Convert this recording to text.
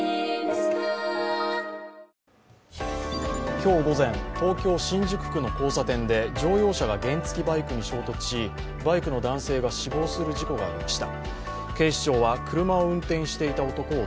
今日午前東京・新宿区の交差点で乗用車が原付バイクに衝突し、バイクの男性が死亡する事故がありました。